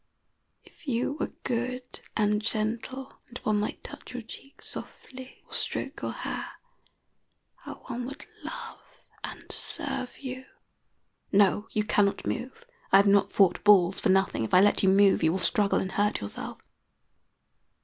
If you were good and gentle, and one might touch your cheek softly or stroke your hair, how one would love and serve you! No, you cannot move. I have not fought bulls for nothing. If I let you move you will struggle and hurt yourself.